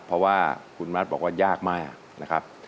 เพราะว่าคุณมัดบอกว่ายากมากนะครับ